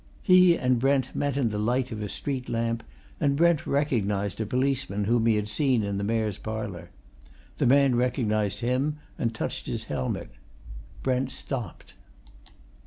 He and Brent met in the light of a street lamp, and Brent recognized a policeman whom he had seen in the Mayor's Parlour. The man recognized him, and touched his helmet. Brent stopped.